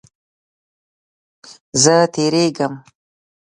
زه تیریږم